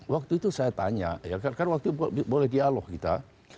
waktu itu saya tanya ya kan waktu itu boleh dialog kita